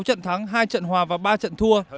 trận thắng hai trận hòa và ba trận thua